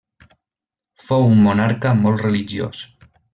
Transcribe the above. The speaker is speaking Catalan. Fou un monarca molt religiós.